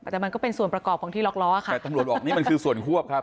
แต่มันก็เป็นส่วนประกอบของที่ล็อกล้อค่ะแต่ตำรวจบอกนี่มันคือส่วนควบครับ